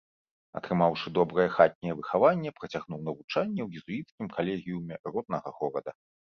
Атрымаўшы добрае хатняе выхаванне, працягнуў навучанне ў езуіцкім калегіуме роднага горада.